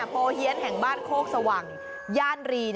โพเฮียนแห่งบ้านโคกสว่างย่านรี